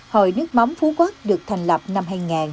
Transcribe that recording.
hội nước mắm phú quốc được thành lập năm hai nghìn